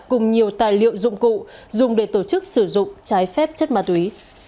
cùng nhiều tài liệu dụng cụ dùng để tổ chức sử dụng trái phép chất ma túy